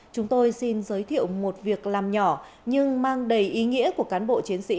chúng tôi xin giới thiệu một việc làm nhỏ nhưng mang đầy ý nghĩa của cán bộ chiến sĩ